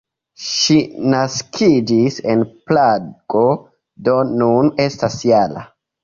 Ŝi naskiĝis en Prago, do nun estas -jara.